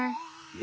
え？